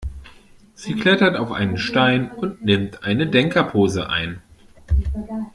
Sie klettert auf einen Stein und nimmt eine Denkerpose ein.